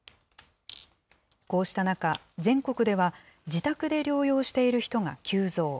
こうした中、全国では自宅で療養している人が急増。